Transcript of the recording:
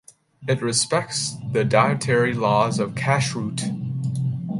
It respects the dietary laws of kashrut.